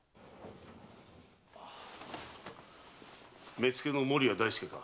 目付の守屋大助か。